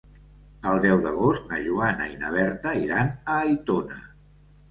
El deu d'agost na Joana i na Berta iran a Aitona.